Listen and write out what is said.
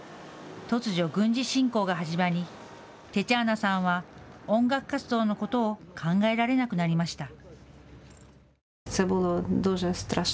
突如、軍事侵攻が始まりテチャーナさんは音楽活動のことを考えられなくなりました。